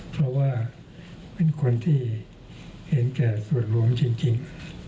เพราะว่าเป็นคนที่เห็นแก่ส่วนหลวงจริง